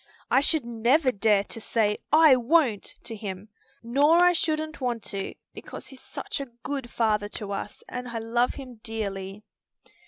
I should never dare to say 'I won't' to him. Nor I shouldn't want to, because he's such a good father to us, and I love him dearly."